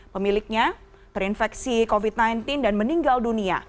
pemiliknya terinfeksi covid sembilan belas dan meninggal dunia